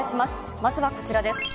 まずはこちらです。